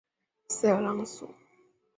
塞尔朗索。